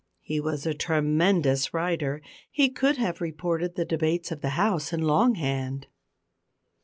He was a tremendous writer. He could have reported the debates of the "House" in long hand.